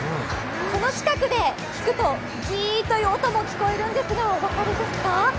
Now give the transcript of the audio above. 近くで聞くとぎーっという音も聞こえるんですが、お分かりですか。